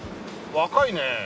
若いね。